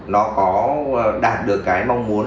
nó có đạt được cái mong muốn